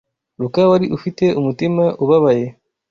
Luka wari ufite umutima ubabaye